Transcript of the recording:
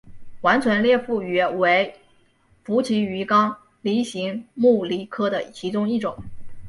完唇裂腹鱼为辐鳍鱼纲鲤形目鲤科的其中一种。